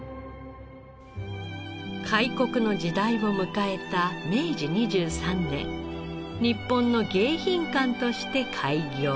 開国の時代を迎えた明治２３年日本の迎賓館として開業。